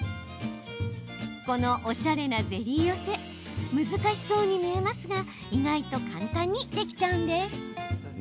このおしゃれなゼリー寄せ難しそうに見えますが意外と簡単にできちゃうんです。